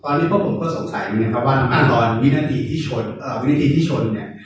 ตอนนี้ปุ้งก็สงสัยนะครับว่าอะอนวินาทีที่ชนอ่าวินาทีที่ชนเนี้ย